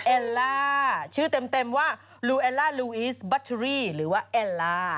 เอลล่าชื่อเต็มว่าลูเอลล่าลูอิสบัทเทอรี่หรือว่าแอลล่า